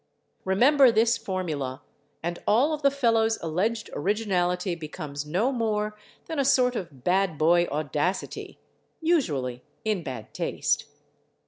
Remember this formula, and all of the fellow's alleged originality becomes no more than a sort of bad boy audacity, usually in bad taste.